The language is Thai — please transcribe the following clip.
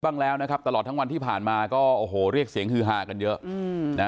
บ้างแล้วนะครับตลอดทั้งวันที่ผ่านมาก็โอ้โหเรียกเสียงฮือฮากันเยอะนะ